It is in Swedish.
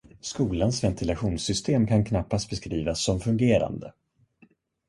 Skolans ventilationssystem kan knappast beskrivas som fungerande.